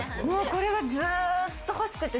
これがずっと欲しくて。